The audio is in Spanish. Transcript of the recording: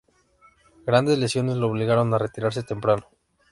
Grandes lesiones lo obligaron a retirarse temprano.